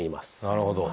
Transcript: なるほど。